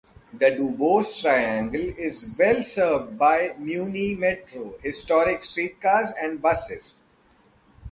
The Duboce Triangle is well served by Muni Metro, historic streetcars, and buses.